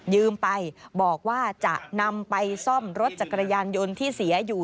ไปบอกว่าจะนำไปซ่อมรถจักรยานยนต์ที่เสียอยู่